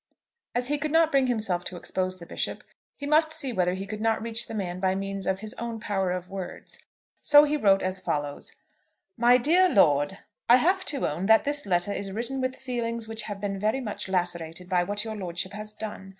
As he could not bring himself to expose the Bishop, he must see whether he could not reach the man by means of his own power of words; so he wrote as follows; "MY DEAR LORD, I have to own that this letter is written with feelings which have been very much lacerated by what your lordship has done.